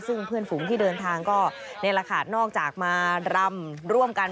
ซึ่งเพื่อนฝูงที่เดินทางก็นอกจากมาร่ำร่วมกัน